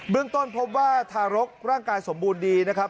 ต้นพบว่าทารกร่างกายสมบูรณ์ดีนะครับ